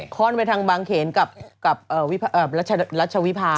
ข้อนไปทางบางเขนกับรัชวิภา